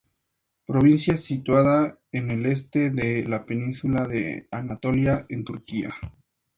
Provincia situada en el este de la península de Anatolia, en Turquía.